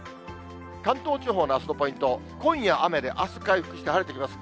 関東地方のあすのポイント、今夜雨で、あす回復して晴れてきます。